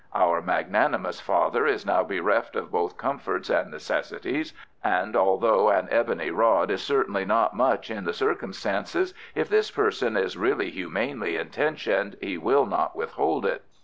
Our magnanimous father is now bereft of both comforts and necessities, and although an ebony rod is certainly not much in the circumstances, if this person is really humanely intentioned he will not withhold it."